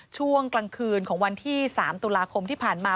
ช่วงกลางคืนของวันที่๓ตุลาคมที่ผ่านมา